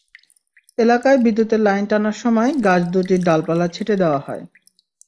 এলাকায় বিদ্যুতের লাইন টানার সময় গাছ দুটির ডালপালা ছেঁটে দেওয়া হয়।